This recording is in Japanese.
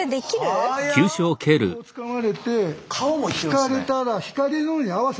こうつかまれて引かれたら引かれるのに合わせて。